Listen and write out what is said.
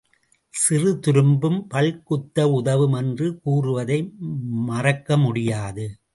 சிறு துரும்பும் பல் குத்த உதவும் என்று கூறுவதை மறக்க முடியாது.